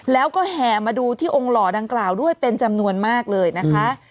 แล้วก็แห่มาดูที่องค์หล่อดังกล่าวด้วยเป็นจำนวนมากเลยนะคะ